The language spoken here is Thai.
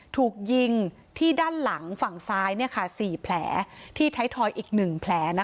ถูกยิงที่ด้านหลังฝั่งซ้ายเนี่ยค่ะสี่แผลที่ไทยทอยอีกหนึ่งแผลนะคะ